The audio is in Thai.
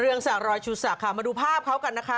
เรืองศักดิ์รอยชูศักดิ์ค่ะมาดูภาพเค้ากันนะคะ